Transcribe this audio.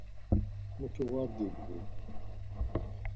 Mutu var dibğu.